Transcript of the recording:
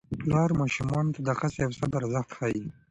پلار ماشومانو ته د هڅې او صبر ارزښت ښيي